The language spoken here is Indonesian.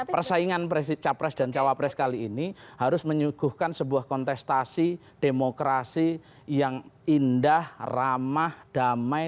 persaingan capres dan cawapres kali ini harus menyuguhkan sebuah kontestasi demokrasi yang indah ramah damai